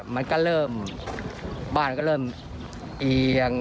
มันก็เริ่มบ้านก็เริ่มเอียง